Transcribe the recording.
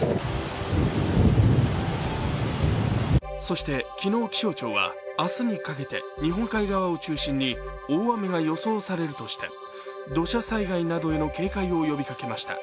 そして、昨日気象庁は明日にかけて日本海側を中心に、大雨が予想されるとして土砂災害などへの警戒を呼びかけました。